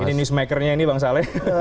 ini nismakernya ini bang saleh